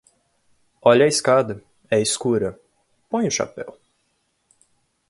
Olhe a escada, é escura; ponha o chapéu...